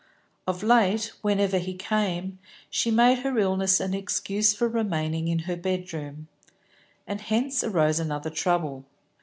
Of late, whenever he came, she made her illness an excuse for remaining in her bed room. And hence arose another trouble.